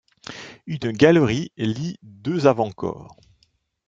Une galerie lie deux avant-corps.